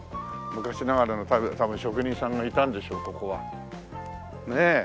昔ながらの多分職人さんがいたんでしょうここは。ねえ。